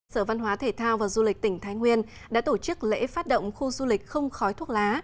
sở văn hóa thể thao và du lịch tỉnh thái nguyên đã tổ chức lễ phát động khu du lịch không khói thuốc lá